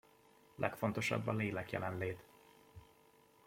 Legfontosabb a lélekjelenlét.